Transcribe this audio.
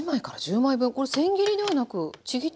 これせん切りではなくちぎったもの。